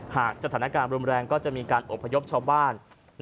หากสถานการณ์รุนแรงก็จะมีการอบพยพชาวบ้าน